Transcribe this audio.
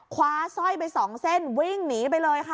คว้าสร้อยไปสองเส้นวิ่งหนีไปเลยค่ะ